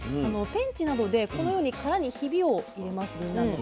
ペンチなどでこのように殻にひびを入れますぎんなんの。